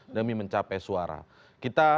demi mencapai suara kita